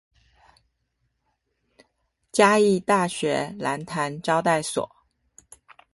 嘉義大學蘭潭招待所